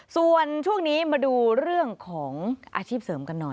ส่วนช่วงนี้มาดูเรื่องของอาชีพเสริมกันหน่อย